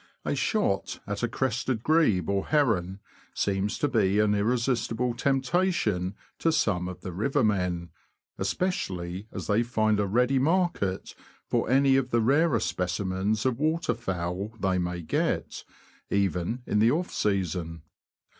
A shot at a crested O 2 228 THE LAND OF THE BROADS. grebe or heron seems to be an irresistible temptation to some of the river men, especially as they find a ready market for any of the rarer specimens of water fowl they may get, even in the off season.